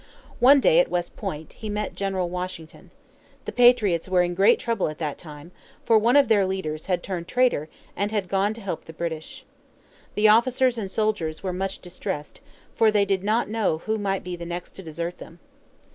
One day, at West Point, he met General Washington. The patriots were in great trouble at that time, for one of their leaders had turned traitor and had gone to help the British. The officers and soldiers were much distressed, for they did not know who might be the next to desert them.